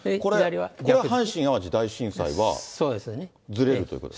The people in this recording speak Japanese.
これは阪神・淡路大震災はずれるということで。